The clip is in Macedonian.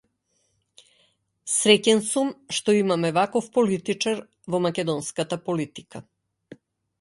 Среќен сум што имаме ваков политичар во македонската политика.